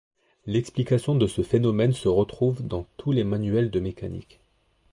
L'explication de ce phénomène se retrouve dans tous les manuels de mécanique.